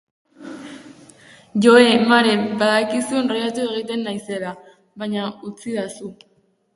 Joe, Maren, badakizu enrollatu egiten naizela, baina utzidazu...